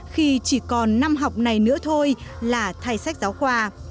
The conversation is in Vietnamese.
khi chỉ còn năm học này nữa thôi là thay sách giáo khoa